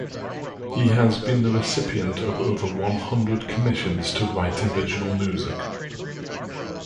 He has been the recipient of over one hundred commissions to write original music.